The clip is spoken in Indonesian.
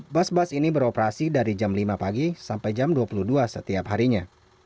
bus bus ini beroperasi dari jam lima pagi sampai jam dua puluh dua setiap harinya